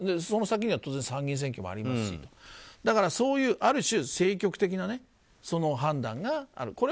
その先には当然参議院選挙もありますしそういう、ある種政局的な判断がある。